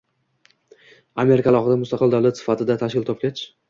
Amerika alohida mustaqil davlat sifatida tashkil topgach